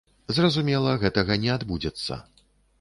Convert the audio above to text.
Зразумела, гэтага не адбудзецца.